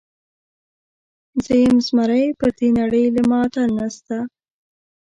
زه یم زمری، پر دې نړۍ له ما اتل نسته.